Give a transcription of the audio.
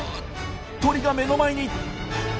鳥が目の前に。